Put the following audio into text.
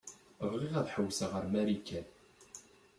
Bɣiɣ ad ḥewwseɣ ar Marikan.